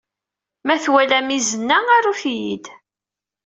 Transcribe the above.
Ma twalam izen-a, arut-iyi-d.